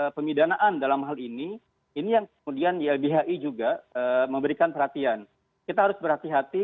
pemidanaan dalam hal ini ini yang kemudian ylbhi juga memberikan perhatian kita harus berhati hati